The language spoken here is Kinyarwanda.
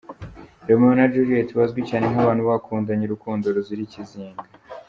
Romeo na Juliet bazwi cyane nk’abantu bakundanye urukundo ruzira ikizinga.